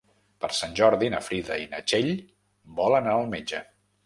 Per Sant Jordi na Frida i na Txell volen anar al metge.